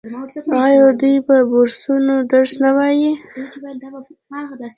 آیا دوی په بورسونو درس نه وايي؟